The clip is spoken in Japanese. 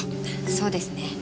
そうですね。